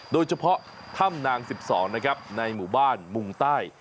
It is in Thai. โดยเฉพาะถ้ำนาง๑๒นะครับในหมู่บ้านมุงใต้